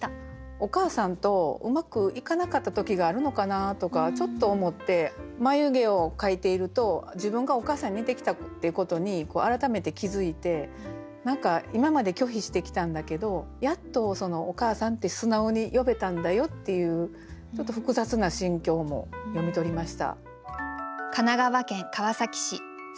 お母さんとうまくいかなかった時があるのかなとかちょっと思って眉毛を描いていると自分がお母さんに似てきたっていうことに改めて気付いて何か今まで拒否してきたんだけどやっと「おかあさん」って素直に呼べたんだよっていうちょっと複雑な心境も読み取りました。